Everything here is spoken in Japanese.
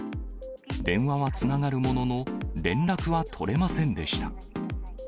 電話はつながるものの、連絡は取れませんでした。